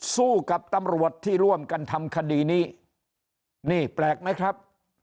สู้กับตำรวจที่ร่วมกันทำคดีนี้นี่แปลกไหมครับ